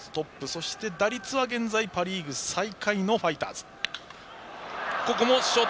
そして打率は現在パ・リーグ最下位のファイターズ。